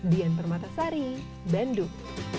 dian permatasari bandung